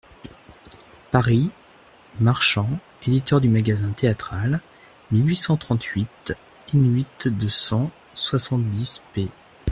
Paris, Marchant, Editeur du Magasin Théâtral, mille huit cent trente-huit in-huit de cent soixante-dix p.